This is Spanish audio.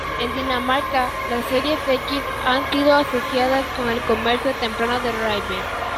En Dinamarca, las series X han sido asociadas con el comercio temprano de Ribe.